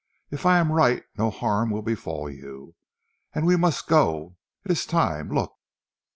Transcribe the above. "If I am right no harm will befall you. And we must go. It is time. Look!"